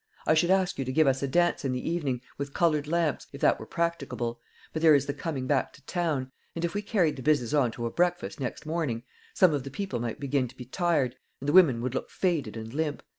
I should ask you to give us a dance in the evening, with coloured lamps, if that were practicable, but there is the coming back to town; and if we carried the business on to a breakfast next morning, some of the people might begin to be tired, and the women would look faded and limp.